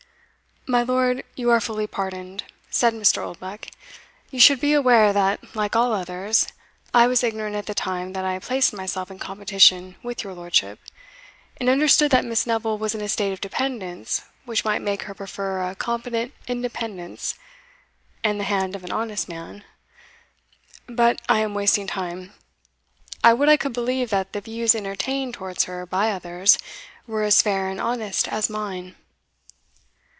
"My lord, you are fully pardoned," said Mr. Oldbuck. "You should be aware, that, like all others, I was ignorant at the time that I placed myself in competition with your lordship, and understood that Miss Neville was in a state of dependence which might make her prefer a competent independence and the hand of an honest man But I am wasting time I would I could believe that the views entertained towards her by others were as fair and honest as mine!"